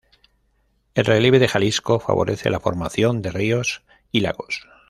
El relieve de Jalisco favorece la formación de ríos y lagos.